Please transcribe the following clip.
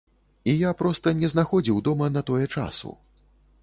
І я проста не знаходзіў дома на тое часу.